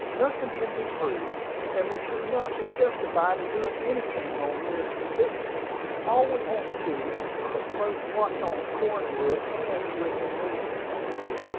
"Nothing can be proved; and we should not be justified in doing anything on mere suspicion. All we have to do is to keep a close watch on Cornwood and Griffin Leeds."